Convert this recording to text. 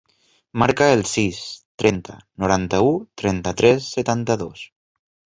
Marca el sis, trenta, noranta-u, trenta-tres, setanta-dos.